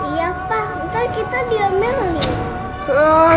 iya pak ntar kita diam diam nih